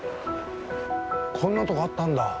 こんなとこあったんだ。